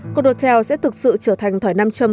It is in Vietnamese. cô nô tè sẽ thực sự trở thành thỏi nam châm